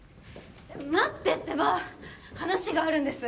待ってってば話があるんです